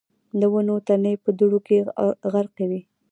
د ونو تنې په دوړو کې غرقي وې.